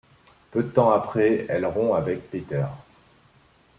Peu de temps après, elle rompt avec Peter.